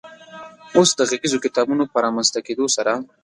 اوس د غږیزو کتابونو په رامنځ ته کېدو سره